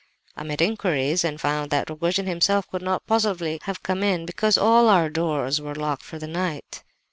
I made inquiries and found that Rogojin himself could not possibly have come in, because all our doors were locked for the night.